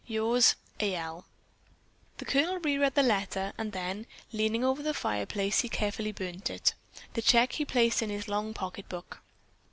"Yours, "Al." The Colonel re read the letter and then, leaning over the fireplace, he carefully burned it. The check he placed in his long pocketbook.